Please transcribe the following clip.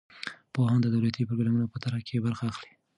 پوهان د دولتي پروګرامونو په طرحه کې برخه اخلي.